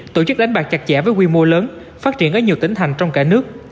tổ chức đánh bạc chặt chẽ với quy mô lớn phát triển ở nhiều tỉnh thành trong cả nước